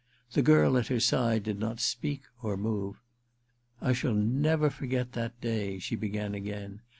The girl at her side did not speak or move. * I shall never forget that day,' she began again.